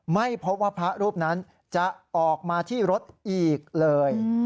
ไม่พบว่าพระรูปนั้นจะออกมาที่รถอีกเลย